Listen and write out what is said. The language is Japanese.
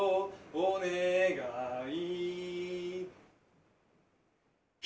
お願い。